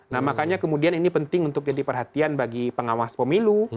nah makanya kemudian ini penting untuk jadi perhatian bagi pengawas pemilu